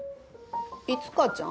いつかちゃん？